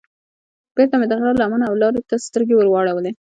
بېرته مې د غره لمنو او لارې ته سترګې واړولې.